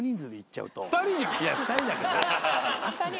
いや２人だけど。